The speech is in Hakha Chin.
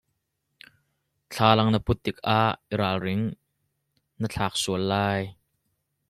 Thlalang na put tikah i rangring! na thlak sual lai!